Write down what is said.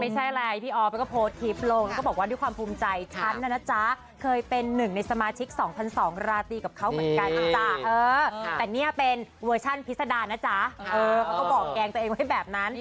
ไม่ใช่อะไรพี่ออฟก็โพสต์คลิปลงแล้วก็บอกว่าด้วยความภูมิใจฉันนะนะจ๊ะเคยเป็นหนึ่งในสมาชิก๒๒๐๐ราตรีกับเขาเหมือนกันนะจ๊ะแต่เนี่ยเป็นเวอร์ชันพิษดานะจ๊ะเขาก็บอกแกล้งตัวเองไว้แบบนั้น